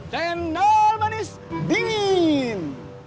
jendol manis dingin